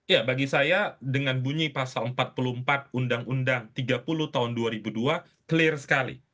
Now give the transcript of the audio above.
ya bagi saya dengan bunyi pasal empat puluh empat undang undang tiga puluh tahun dua ribu dua clear sekali